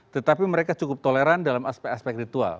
tetapi mereka cukup toleran dalam aspek aspek ritual